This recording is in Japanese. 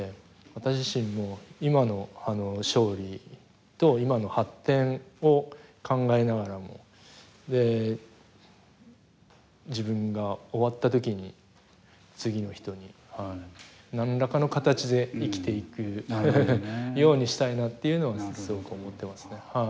私自身も今の勝利と今の発展を考えながらも自分が終わった時に次の人に何らかの形で生きていくようにしたいなというのをすごく思っています。